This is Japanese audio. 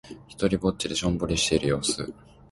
ひとりっぼちでしょんぼりしている様子。